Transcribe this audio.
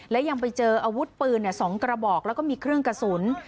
และยังไปเจออาวุธปืน๒กระบอกแล้วก็มีเครื่องกระสุน